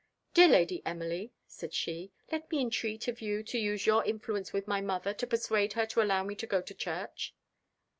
"Dear Lady Emily," said she, "let me entreat of you to use your influence with my mother to persuade her to allow me to go to church."